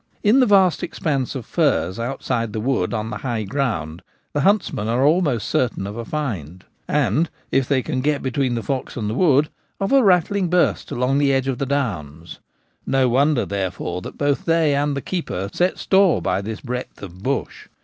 In the vast expanse of furze outside the wood on the high ground the huntsmen are almost certain of a find, and, if they can get between the fox and the wood, of a rattling burst along the edge of the downs ; no wonder, therefore, that both they and the keeper set store by this breadth of i bush.